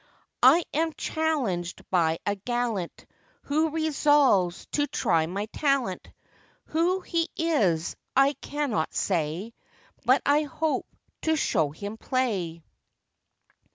'I am challenged by a gallant, Who resolves to try my talent; Who he is I cannot say, But I hope to show him play.